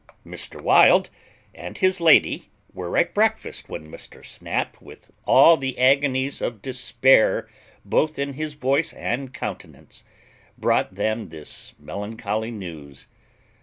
Mr. Wild and his lady were at breakfast when Mr. Snap, with all the agonies of despair both in his voice and countenance, brought them this melancholy news.